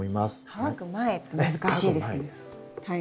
乾く前って難しいですねタイミング。